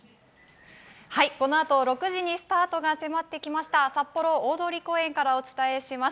このあと６時にスタートが迫ってきました、札幌大通公園からお伝えします。